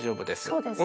そうですね。